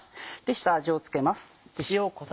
下味を付けます。